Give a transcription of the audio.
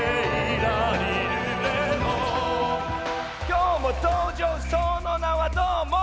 「今日も登場その名はどーも」